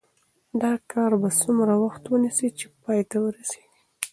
دا کار به څومره وخت ونیسي چې پای ته ورسیږي؟